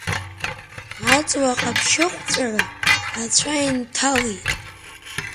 Аҵла ҟаԥшьыхәҵәара ацәа инҭалеит.